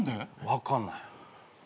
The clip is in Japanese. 分かんない。